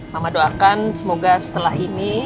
mama doakan semoga setelah ini